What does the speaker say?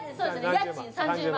家賃３０万